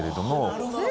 なるほど。